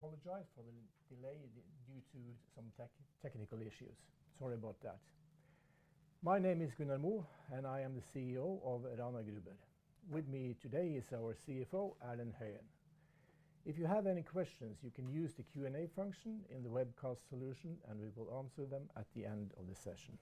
Apologize for the delay due to some technical issues. Sorry about that. My name is Gunnar Moe, and I am the CEO of Rana Gruber. With me today is our CFO, Erlend Høyen. If you have any questions, you can use the Q&A function in the webcast solution, and we will answer them at the end of the session.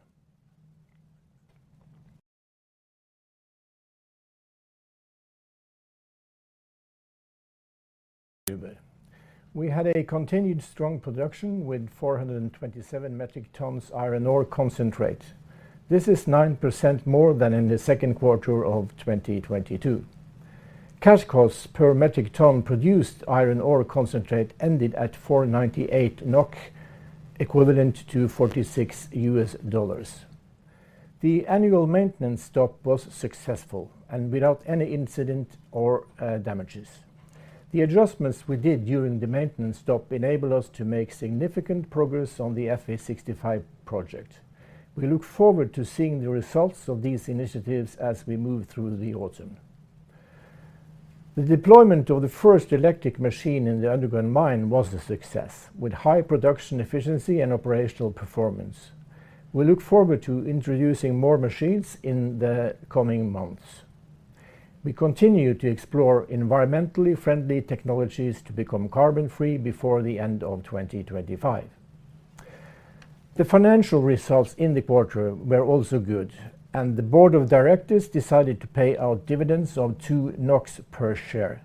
We had a continued strong production with 427 metric tons iron ore concentrate. This is 9% more than in the second quarter of 2022. Cash costs per metric ton produced iron ore concentrate ended at 498 NOK, equivalent to $46. The annual maintenance stop was successful and without any incident or damages. The adjustments we did during the maintenance stop enable us to make significant progress on the Fe65 project. We look forward to seeing the results of these initiatives as we move through the autumn. The deployment of the first electric machine in the underground mine was a success, with high production efficiency and operational performance. We look forward to introducing more machines in the coming months. We continue to explore environmentally friendly technologies to become carbon-free before the end of 2025. The financial results in the quarter were also good, and the board of directors decided to pay out dividends of 2 NOK per share.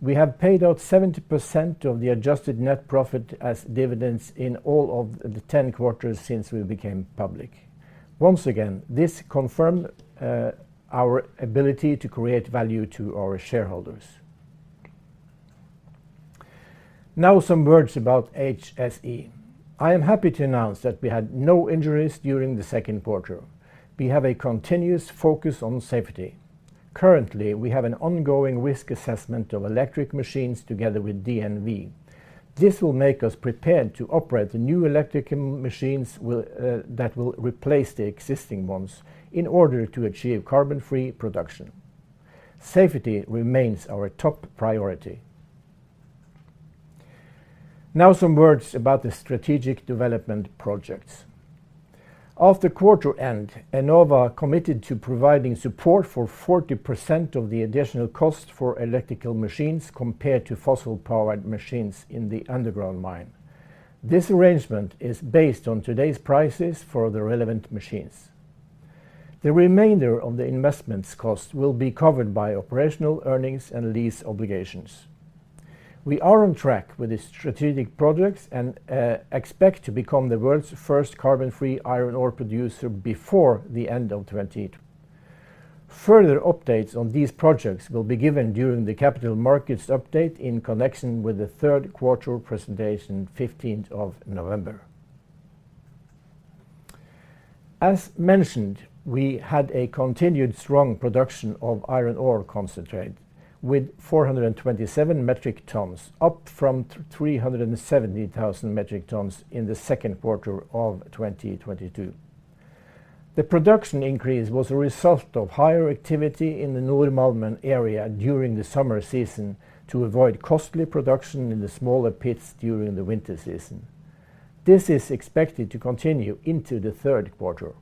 We have paid out 70% of the adjusted net profit as dividends in all of the 10 quarters since we became public. Once again, this confirmed our ability to create value to our shareholders. Now, some words about HSE. I am happy to announce that we had no injuries during the second quarter. We have a continuous focus on safety. Currently, we have an ongoing risk assessment of electric machines together with DNV. This will make us prepared to operate the new electric machines will, that will replace the existing ones in order to achieve carbon-free production. Safety remains our top priority. Now, some words about the strategic development projects. After quarter end, Enova committed to providing support for 40% of the additional cost for electrical machines compared to fossil-powered machines in the underground mine. This arrangement is based on today's prices for the relevant machines. The remainder of the investments cost will be covered by operational earnings and lease obligations. We are on track with the strategic projects and, expect to become the world's first carbon-free iron ore producer before the end of 2020. Further updates on these projects will be given during the capital markets update in connection with the third quarter presentation, 15th of November. As mentioned, we had a continued strong production of iron ore concentrate with 427 metric tons, up from 370,000 metric tons in the second quarter of 2022. The production increase was a result of higher activity in the Nordmalmen area during the summer season to avoid costly production in the smaller pits during the winter season. This is expected to continue into the third quarter.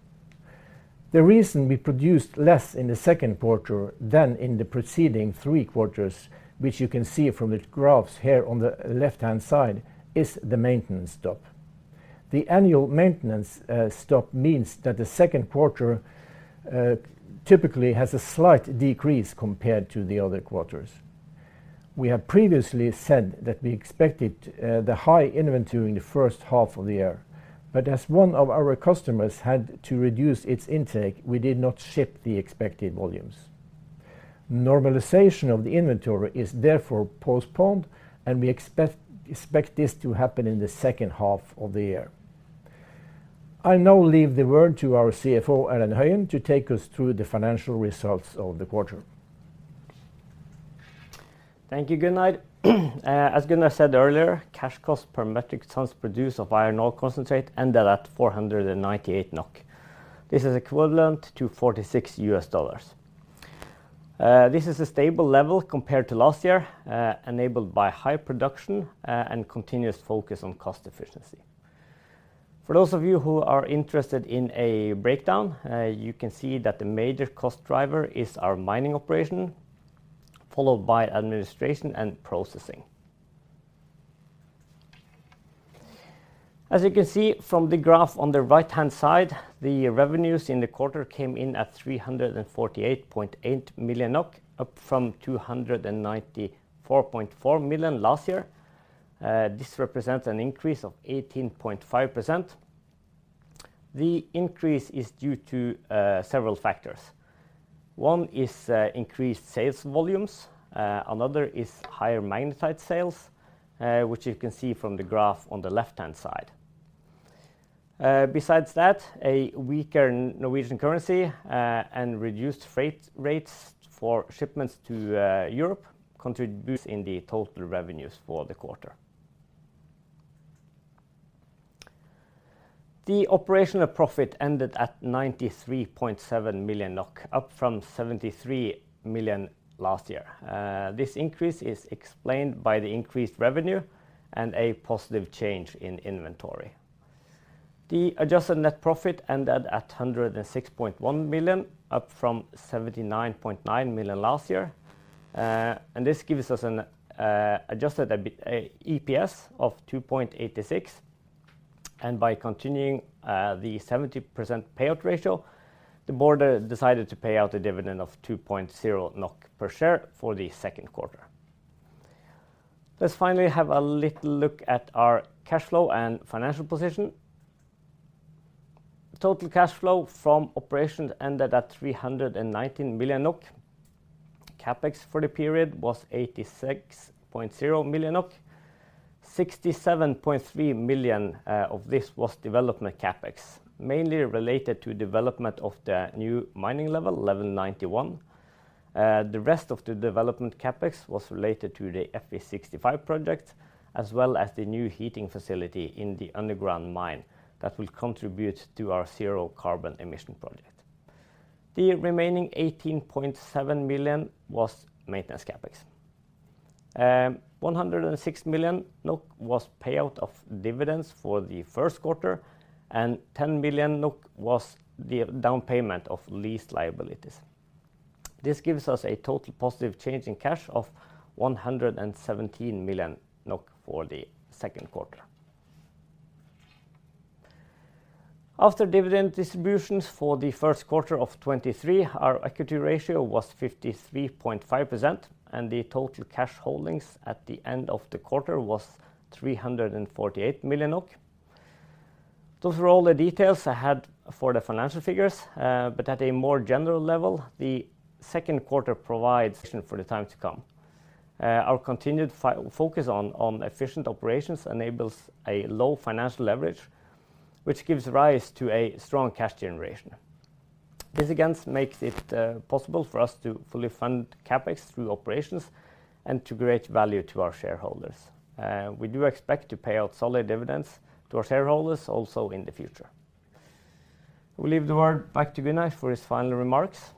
The reason we produced less in the second quarter than in the preceding three quarters, which you can see from the graphs here on the left-hand side, is the maintenance stop. The annual maintenance stop means that the second quarter typically has a slight decrease compared to the other quarters. We have previously said that we expected the high inventory in the first half of the year, but as one of our customers had to reduce its intake, we did not ship the expected volumes. Normalization of the inventory is therefore postponed, and we expect this to happen in the second half of the year. I now leave the word to our CFO, Erlend Høyen, to take us through the financial results of the quarter. Thank you, Gunnar. As Gunnar said earlier, cash cost per metric tons produced of iron ore concentrate ended at 498 NOK. This is equivalent to $46. This is a stable level compared to last year, enabled by high production, and continuous focus on cost efficiency. For those of you who are interested in a breakdown, you can see that the major cost driver is our mining operation, followed by administration and processing. As you can see from the graph on the right-hand side, the revenues in the quarter came in at 348.8 million NOK, up from 294.4 million NOK last year. This represents an increase of 18.5%. The increase is due to several factors. One is, increased sales volumes, another is higher magnetite sales, which you can see from the graph on the left-hand side. Besides that, a weaker Norwegian currency, and reduced freight rates for shipments to, Europe contribute in the total revenues for the quarter. The operational profit ended at 93.7 million NOK, up from 73 million last year. This increase is explained by the increased revenue and a positive change in inventory. The adjusted net profit ended at 106.1 million, up from 79.9 million last year. And this gives us an adjusted EPS of 2.86, and by continuing, the 70% payout ratio, the board, decided to pay out a dividend of 2.0 NOK per share for the second quarter. Let's finally have a little look at our cash flow and financial position. Total cash flow from operations ended at 319 million NOK. CapEx for the period was 86.0 million NOK. 67.3 million of this was development CapEx, mainly related to development of the new mining level, Level 91. The rest of the development CapEx was related to the Fe65 project, as well as the new heating facility in the underground mine that will contribute to our zero carbon emission project. The remaining 18.7 million was maintenance CapEx. 106 million NOK was payout of dividends for the first quarter, and 10 million NOK was the down payment of lease liabilities. This gives us a total positive change in cash of 117 million NOK for the second quarter. After dividend distributions for the first quarter of 2023, our equity ratio was 53.5%, and the total cash holdings at the end of the quarter was 348 million NOK. Those are all the details I had for the financial figures, but at a more general level, the second quarter provides... for the time to come. Our continued focus on efficient operations enables a low financial leverage, which gives rise to a strong cash generation. This, again, makes it possible for us to fully fund CapEx through operations and to create value to our shareholders. We do expect to pay out solid dividends to our shareholders also in the future. I will leave the word back to Gunnar for his final remarks.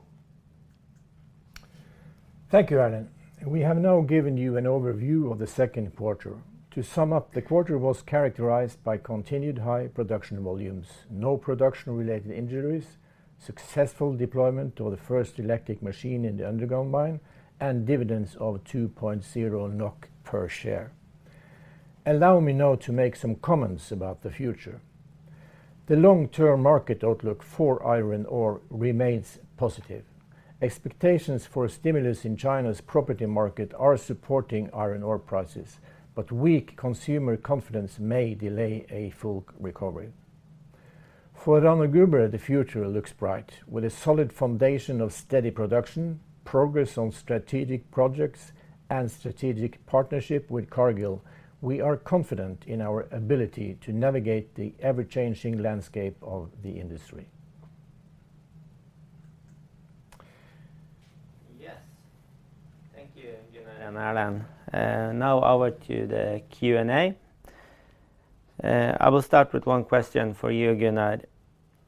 Thank you, Erlend. We have now given you an overview of the second quarter. To sum up, the quarter was characterized by continued high production volumes, no production-related injuries, successful deployment of the first electric machine in the underground mine, and dividends of 2.0 NOK per share. Allow me now to make some comments about the future. The long-term market outlook for iron ore remains positive. Expectations for stimulus in China's property market are supporting iron ore prices, but weak consumer confidence may delay a full recovery. For Rana Gruber, the future looks bright. With a solid foundation of steady production, progress on strategic projects, and strategic partnership with Cargill, we are confident in our ability to navigate the ever-changing landscape of the industry. Yes. Thank you, Gunnar and Erlend. Now over to the Q&A. I will start with one question for you, Gunnar.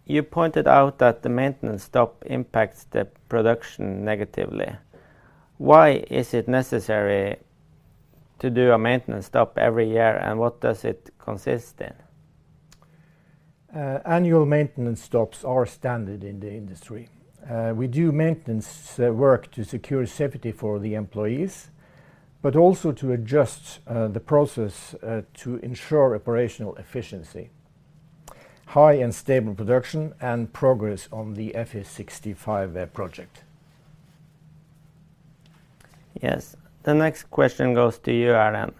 You pointed out that the maintenance stop impacts the production negatively. Why is it necessary to do a maintenance stop every year, and what does it consist in? Annual maintenance stops are standard in the industry. We do maintenance work to secure safety for the employees, but also to adjust the process to ensure operational efficiency, high and stable production, and progress on the Fe65 project. Yes. The next question goes to you, Erlend.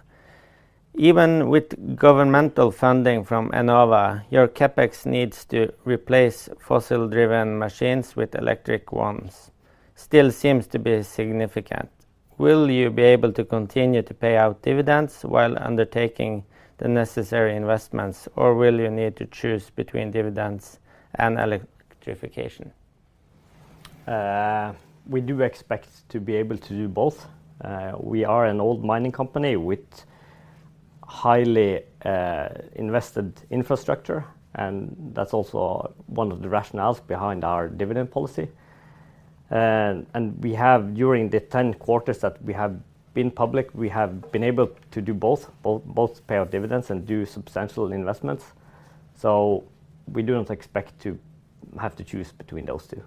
Even with governmental funding from Enova, your CapEx needs to replace fossil-driven machines with electric ones, still seems to be significant. Will you be able to continue to pay out dividends while undertaking the necessary investments, or will you need to choose between dividends and electrification? We do expect to be able to do both. We are an old mining company with highly invested infrastructure, and that's also one of the rationales behind our dividend policy. And, and we have, during the 10 quarters that we have been public, we have been able to do both, both, both pay out dividends and do substantial investments, so we do not expect to have to choose between those two.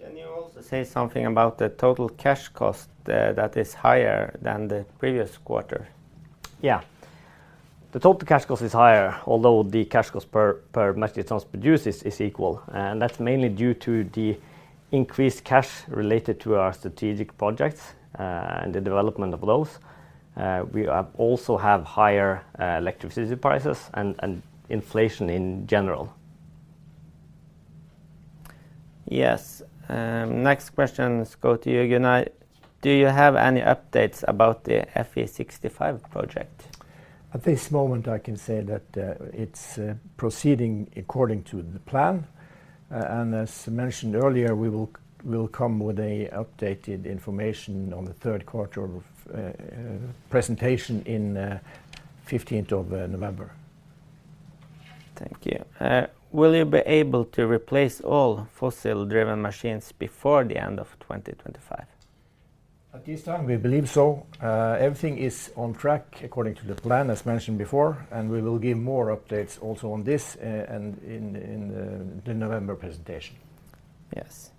Can you also say something about the total cash cost, that is higher than the previous quarter? Yeah. The total cash cost is higher, although the cash cost per metric tons produced is equal, and that's mainly due to the increased cash related to our strategic projects, and the development of those. We also have higher electricity prices and inflation in general. Yes, next questions go to you, Gunnar. Do you have any updates about the Fe65 project? At this moment, I can say that it's proceeding according to the plan, and as mentioned earlier, we'll come with a updated information on the third quarter presentation in the fifteenth of November. Thank you. Will you be able to replace all fossil-driven machines before the end of 2025? At this time, we believe so. Everything is on track according to the plan, as mentioned before, and we will give more updates also on this, and in the November presentation. Yes.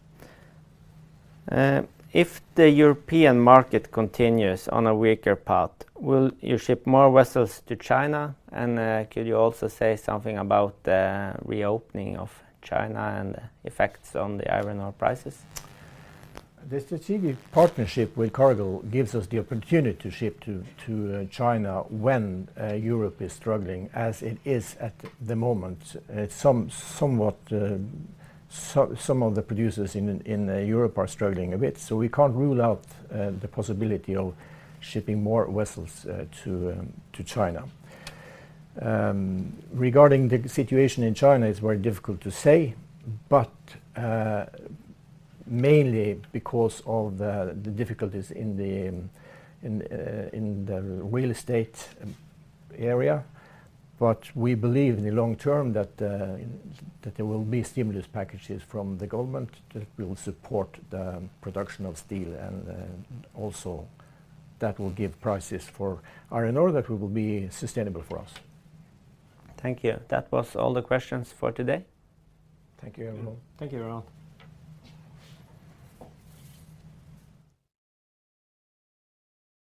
If the European market continues on a weaker path, will you ship more vessels to China? Could you also say something about the reopening of China and the effects on the iron ore prices? The strategic partnership with Cargill gives us the opportunity to ship to China when Europe is struggling, as it is at the moment. Some of the producers in Europe are struggling a bit, so we can't rule out the possibility of shipping more vessels to China. Regarding the situation in China, it's very difficult to say, but mainly because of the difficulties in the real estate area. But we believe in the long term that there will be stimulus packages from the government that will support the production of steel and also that will give prices for iron ore that will be sustainable for us. Thank you. That was all the questions for today. Thank you, everyone. Thank you, everyone.